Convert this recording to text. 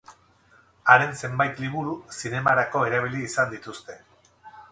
Haren zenbait liburu zinemarako erabili izan dituzte.